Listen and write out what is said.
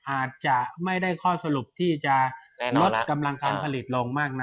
อาจจะไม่ได้ข้อสรุปที่จะลดกำลังการผลิตลงมากนัก